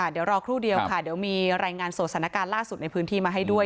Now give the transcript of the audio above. เดี๋ยวรอครู่เดียวค่ะเดี๋ยวมีรายงานสดสถานการณ์ล่าสุดในพื้นที่มาให้ด้วย